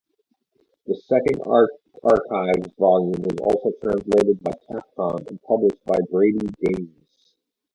The second Archives volume was also translated by Capcom and published by BradyGames.